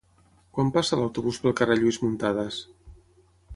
Quan passa l'autobús pel carrer Lluís Muntadas?